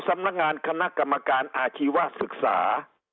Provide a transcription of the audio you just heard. สำนักงานคณะกรรมการอาชีวศึกษา